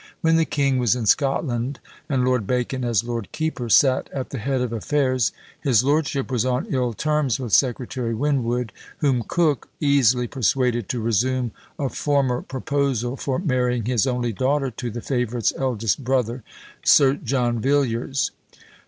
When the king was in Scotland, and Lord Bacon, as lord keeper, sat at the head of affairs, his lordship was on ill terms with Secretary Winwood, whom Coke easily persuaded to resume a former proposal for marrying his only daughter to the favourite's eldest brother, Sir John Villiers.